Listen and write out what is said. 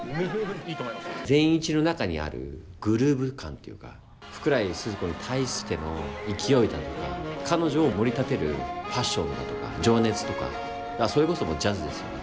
善一の中にあるグルーヴ感というか福来スズ子に対しての勢いだとか彼女をもり立てるパッションだとか情熱とかそれこそジャズですよね